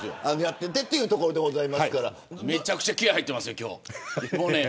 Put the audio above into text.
めちゃくちゃ気合入っていますよ今日。